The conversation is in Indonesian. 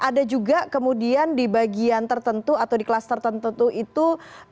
ada juga kemudian di bagian tertentu atau di kelas tertentu tuh itu